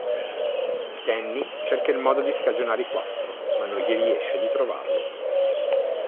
Danny cerca il modo di scagionare i quattro ma non gli riesce di trovarlo.